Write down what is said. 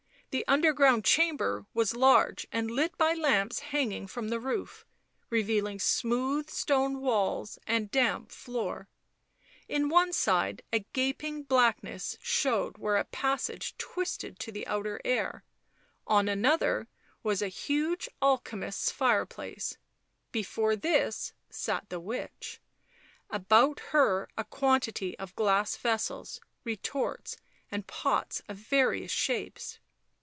The underground chamber was large and lit by lamps hanging from the roof, revealing smooth stone walls and damp floor ; in one side a gaping black ness showed where a passage twisted to the outer air; on another was a huge alchemist's fireplace; before this sat the witch, about her a quantity of glass vessels, retorts and pots of various shapes.